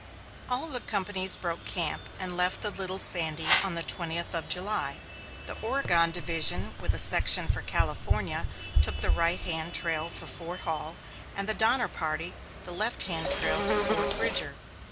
All the companies broke camp and left the Little Sandy on the twentieth of July. The Oregon division with a section for California took the right hand trail for Fort Hall; and the Donner Party, the left hand trail to Fort Bridger.